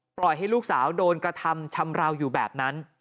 ปล่อยให้ลูกสาวโดนกระทำชำราวอยู่แบบนั้น